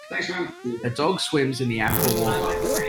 A dog swims in the aqua water.